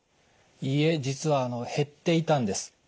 いいえ実は減っていたんです。